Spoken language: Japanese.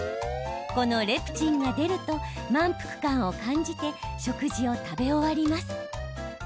このレプチンが出ると満腹感を感じて食事を食べ終わります。